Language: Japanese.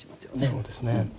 そうですね。